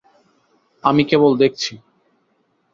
আমি কেবল দেখছি।